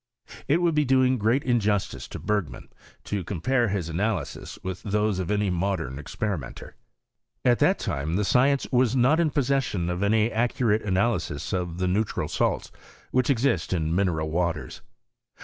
It would be doing great injustice to Bergman, to compare his analyses with those of any modem experimenter. At that time, the science was not in possession of any accu rate analyses of the neutral salts, which exist in mineral waters.